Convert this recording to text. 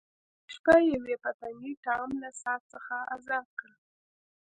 یوه شپه یوې پتنګې ټام له ساعت څخه ازاد کړ.